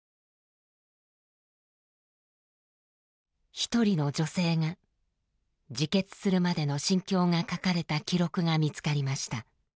一人の女性が自決するまでの心境が書かれた記録が見つかりました。